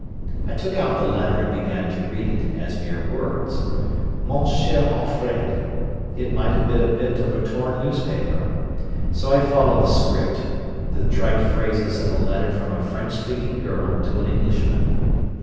I took out the letter and began to read it, as mere words. "Mon cher Alfred" it might have been a bit of a torn newspaper. So I followed the script: the trite phrases of a letter from a French speaking girl to an Englishman.